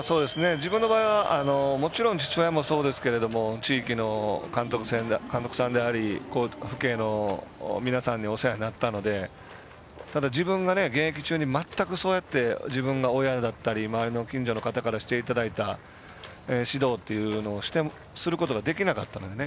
自分の場合はもちろん父親もそうですが地域の監督さんであり父兄の皆さんにお世話になったので自分が現役中に全く自分が親だったり周りの近所の方からしていただいた指導というのをすることができなかったのでね